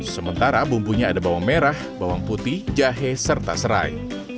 sementara bumbunya ada bawang merah bawang putih jahe serta serai